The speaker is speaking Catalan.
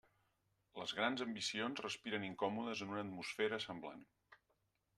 Les grans ambicions respiren incòmodes en una atmosfera semblant.